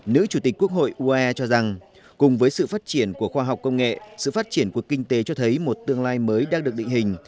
nữ chủ tịch quốc hội uae cho rằng cùng với sự phát triển của khoa học công nghệ sự phát triển của kinh tế cho thấy một tương lai mới đang được định hình